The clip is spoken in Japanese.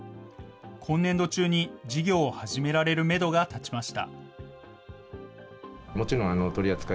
今年度中に事業を始められるメドが立ちました。